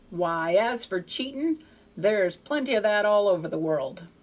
"Why, as for cheating, there's plenty of that all over the world.